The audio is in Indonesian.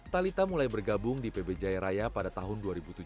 talitha mulai bergabung di pb jaya raya pada tahun dua ribu tujuh belas